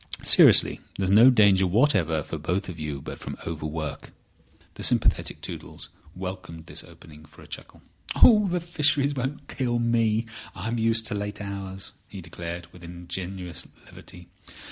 Seriously, there's no danger whatever for both of you but from overwork." The sympathetic Toodles welcomed this opening for a chuckle. "The Fisheries won't kill me. I am used to late hours," he declared, with ingenuous levity.